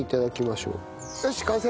よし完成！